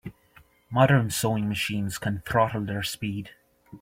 Modern sewing machines can throttle their speed.